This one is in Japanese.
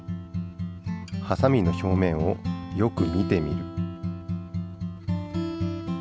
ハサミの表面をよく見てみる。